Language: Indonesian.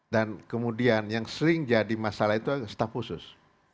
dan kemudian yang sering jadi masalah itu adalah staf khusus